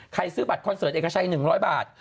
ซื้อบัตรคอนเสิร์ตเอกชัย๑๐๐บาท